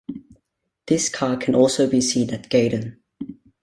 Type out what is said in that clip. This car can also be seen at Gaydon.